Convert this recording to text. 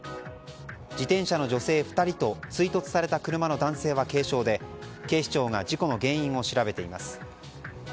自転車の女性２人と追突された車の男性は軽傷で警視庁が事故の原因を調べています。